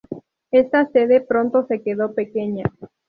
Esta sede pronto se quedó pequeña.